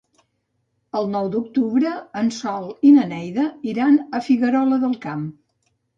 El nou d'octubre en Sol i na Neida iran a Figuerola del Camp.